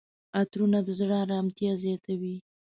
عطرونه د زړه آرامتیا زیاتوي.